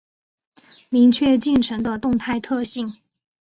明确进程的动态特性